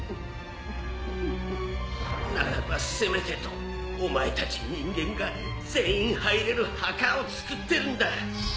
ならばせめてとお前たち人間が全員入れる墓を造ってるんだ。